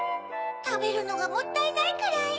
たべるのがもったいないくらい。